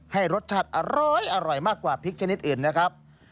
ให้รสชาติอร้อยมากกว่าพริกชนิดอื่นนะครับ